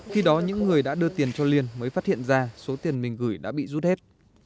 khi đó những người đã đưa tiền cho liên mới phát hiện ra số tiền mình gửi đã bị rút hết